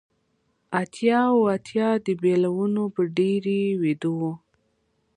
اتیا اوه اتیا د بیلونو په ډیرۍ ویده و